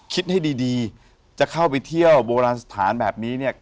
คิดให้ดีจะเข้าไปเที่ยวโบราณสถานแบบนี้เนี่ย